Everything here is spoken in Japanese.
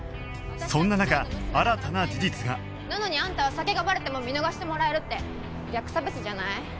そんな中新たな事実がなのにあんたは酒がバレても見逃してもらえるって逆差別じゃない？